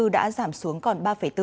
đã giảm xuống còn ba bốn